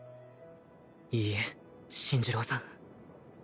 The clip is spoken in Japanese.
いいえ槇寿郎さん